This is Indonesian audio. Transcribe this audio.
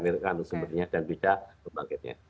jadi sudah berbeda nilkan sumbernya dan beda kebangkitannya